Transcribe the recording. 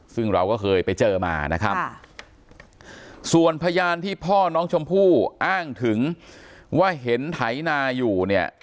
ซึ่งเราก็เคยไปเจอมานะครับส่วนพยานที่พ่อน้องชมพู่อ้างถึงว่าเห็นไถนาอยู่เนี่ย